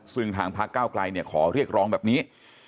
ซึ่งทางพักเก้าไกลขอเรียกร้องแบบนี้